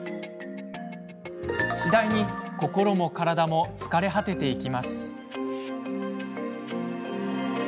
次第に、心も体も疲れ果てていきます。